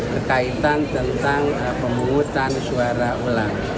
berkaitan tentang pemungutan suara ulang